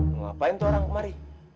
ngapain tuh orang kemari